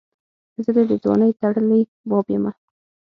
زه دي دځوانۍ ټړلي باب یمه